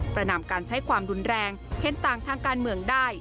นำการใช้ความรุนแรงเห็นต่างทางการเมืองได้